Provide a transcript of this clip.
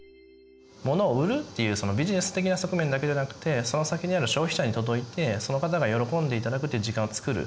物を売るっていうそのビジネス的な側面だけじゃなくてその先にある消費者に届いてその方が喜んでいただくっていう時間をつくる。